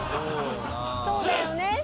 そうだよね。